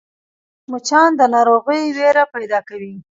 مچان د ناروغۍ وېره پیدا کوي